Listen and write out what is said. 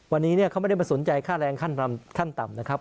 วันนี้เขาไม่ได้มาสนใจค่าแรงขั้นต่ำนะครับ